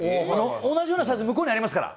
同じような写図向こうにありますから。